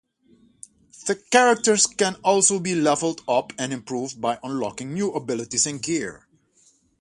Characters can also be levelled up and improved by unlocking new abilities and gear.